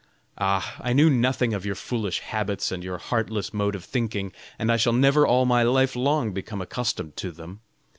Ah! I knew nothing of your foolish habits and your heartless mode of thinking, and I shall never all my life long become accustomed to them.